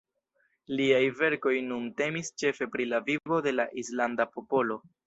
Liaj verkoj nun temis ĉefe pri la vivo de la islanda popolo.